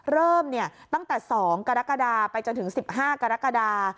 เริ่มตั้งแต่๒กรกฎาไปจนถึง๑๕กรกฎา